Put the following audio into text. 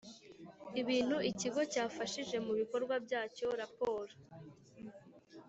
Ibintu ikigo cyifashishije mu bikorwa byacyo raporo